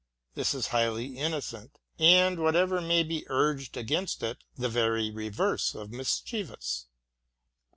This is highly innocent, and, whatever may be urged against it, the very reverse of mischievous.